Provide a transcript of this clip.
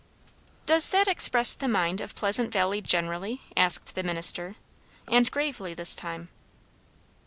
"Does that express the mind of Pleasant Valley generally?" asked the minister, and gravely this time.